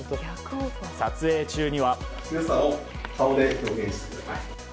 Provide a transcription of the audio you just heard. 撮影中には。